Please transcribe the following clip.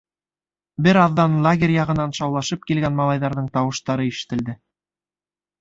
Бер аҙҙан лагерь яғынан шаулашып килгән малайҙарҙың тауыштары ишетелде.